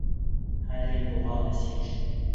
Хәҙер инде уға ла өс йәш.